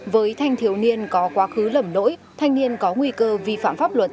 với thanh thiếu niên có quá khứ lầm nỗi thanh niên có nguy cơ vi phạm pháp luật